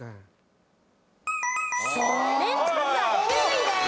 メンチカツは９位です。